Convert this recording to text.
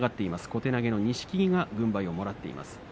小手投げの錦木が軍配をもらっています。